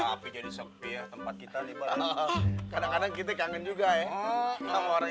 tapi jadi sop ya tempat kita di bawah kadang kadang kita kangen juga ya orang